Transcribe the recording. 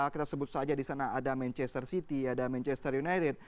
kita sebut saja di sana ada manchester city ada manchester united